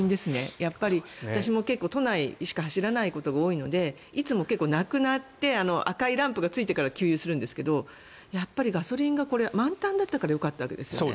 やっぱり私も都内しか走らないことが多いのでいつも結構なくなって赤いランプがついてから給油するんですけどガソリンが満タンだったからよかったわけですよね。